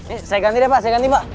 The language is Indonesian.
eh saya ganti deh pak saya ganti pak